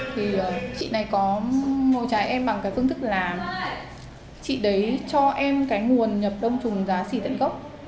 thì chị này có ngồi trái em bằng cái phương thức là chị đấy cho em cái nguồn nhập đông trùng giá xỉ tận gốc